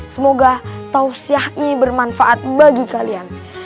semoga tausiah ini bermanfaat bagi kalian